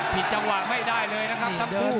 ผิดจังหวะไม่ได้เลยนะครับทั้งคู่